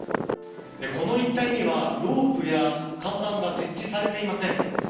この一帯にはロープや看板が設置されていません。